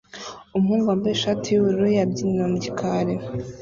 Umuhungu wambaye ishati yubururu yabyinira mu gikari